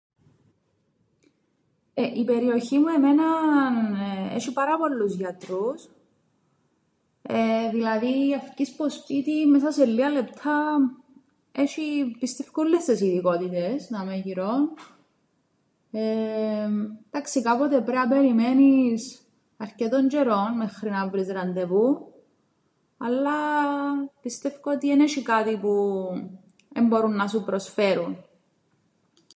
Ε, η περιοχή μου εμέναν έσ̆ει πάρα πολλούς γιατρούς, εεε, δηλαδή αν φκεις που το σπίτιν μέσα σε λλία λεπτά έσ̆ει πιστεύκω ούλλες τες ειδικότητες δαμαί γυρόν, εεμ, 'ντάξει κάποτε πρέπει να περιμένεις αρκετόν τζ̌αιρόν μέχρι να βρεις ραντεβού, αλλά πιστεύκω ότι εν έσ̆ει κάτι που εν μπορούν να σου προσφέρουν.